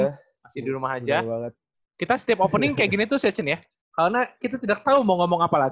masih di rumah saja kita setiap opening seperti ini itu session ya karena kita tidak tahu mau ngomong apa lagi